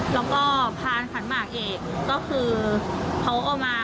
แล้วก็พานขันหมากเอกก็คือเขาเอามา